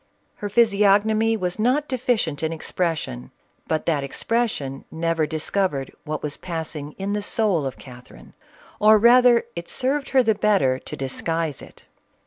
Her physiognomy was not deficient in expression ; but that expression never discovered what was passing in the soul of Catherine, or rather it served her the better to disguise it."